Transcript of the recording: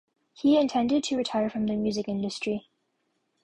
He intended to retire from the music industry.